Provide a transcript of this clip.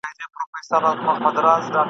اوبه په ډانگ نه بېلېږي !.